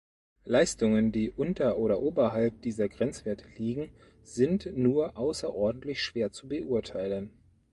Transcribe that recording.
Leistungen, die unter oder oberhalb dieser Grenzwerte liegen, sind nur außerordentlich schwer zu beurteilen.